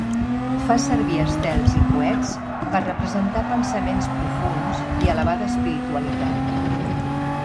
Fa servir estels i coets per representar pensaments profunds i elevada espiritualitat.